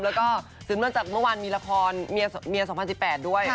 แล้วก็สืบเนื่องจากเมื่อวานมีละครเมีย๒๐๑๘ด้วย